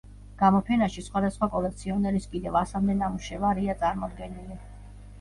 გამოფენაში სხვადასხვა კოლექციონერის კიდევ ასამდე ნამუშევარია წარმოდგენილი.